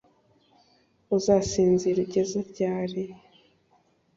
Uzasinzira ugeze ryari